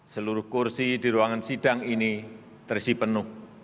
seluruh kursi di ruangan sidang ini terisi penuh